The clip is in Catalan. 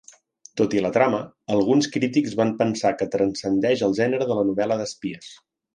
Tot i la trama, alguns crítics van pensar que transcendeix el gènere de la novel·la d'espies.